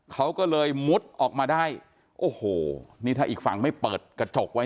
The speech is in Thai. เขาก็เลยมุดออกมาได้โอ้โหนี่ถ้าอีกฝั่งไม่เปิดกระจกไว้